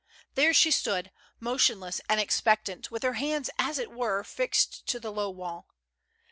There she stood, motionless and expectant, with her hands, as it were, fixed to the low wall.